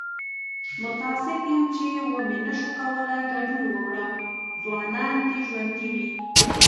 متاسف یم چې و مې نشو کولی ګډون وکړم. ځوانان دې ژوندي وي!